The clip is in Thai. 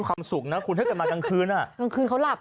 ออกว่ากลางวันแล้วแหละ